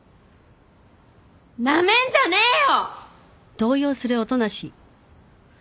なめんじゃねえよ！